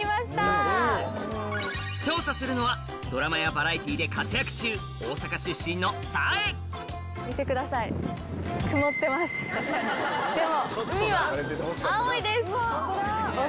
調査するのはドラマやバラエティーで活躍中でも。